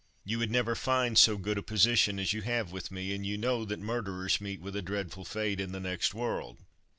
You would never find so good a position as you have with me, and you know that murderers meet with a dreadful fate in the next world.